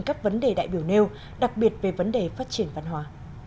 các vấn đề đại biểu nêu đặc biệt về vấn đề phát triển văn hóa